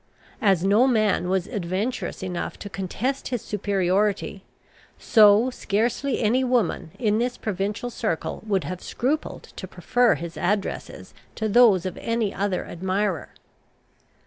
As no man was adventurous enough to contest his superiority, so scarcely any woman in this provincial circle would have scrupled to prefer his addresses to those of any other admirer.